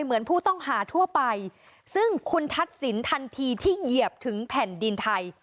เหมือนผู้ต้องหาทั่วไปซึ่งคุณทักษิณทันทีที่เหยียบถึงแผ่นดินไทย